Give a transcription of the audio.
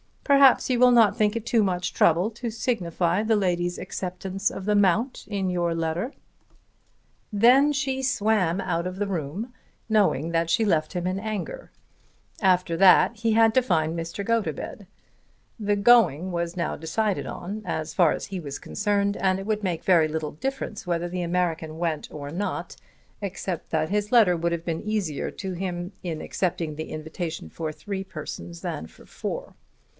Perhaps you will not think it too much trouble to signify the lady's acceptance of the mount in your letter." Then she swam out of the room knowing that she left him in anger. After that he had to find Mr. Gotobed. The going was now decided on as far as he was concerned, and it would make very little difference whether the American went or not, except that his letter would have been easier to him in accepting the invitation for three persons than for four.